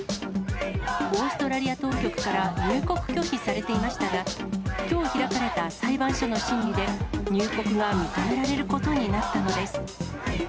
オーストラリア当局から入国拒否されていましたが、きょう開かれた裁判所の審理で、入国が認められることになったのです。